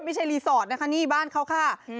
ไม่ใช่รีสอร์ทนะคะนี่บ้านเขาค่ะ